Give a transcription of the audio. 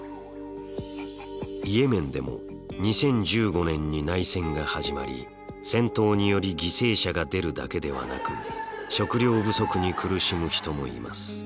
イエメンでも２０１５年に内戦が始まり戦闘により犠牲者が出るだけではなく食料不足に苦しむ人もいます。